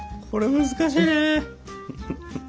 これ難しいね。